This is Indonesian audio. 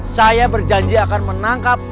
saya berjanji akan menangkap